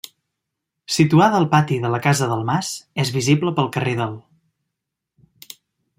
Situada al pati de la Casa del Mas, és visible pel carrer del.